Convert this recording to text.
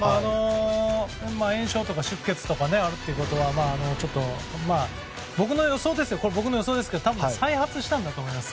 炎症とか出血があるということは僕の予想ですけど多分、再発したんだと思います。